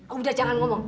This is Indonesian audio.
udah jangan ngomong